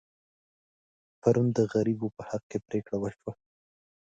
پرون د غریبو په حق کې پرېکړه وشوه.